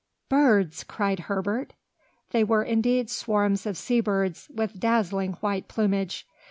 "Birds!" cried Herbert. They were indeed swarms of sea birds, with dazzling white plumage.